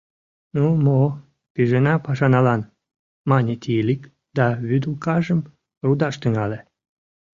— Ну, мо, пижына пашаналан! — мане Тиилик да вӱдылкажым рудаш тӱҥале.